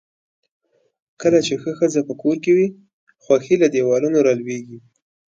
کله چې ښه ښځۀ پۀ کور کې وي، خؤښي له دیوالونو را لؤیږي.